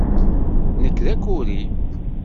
Nekk d akuri.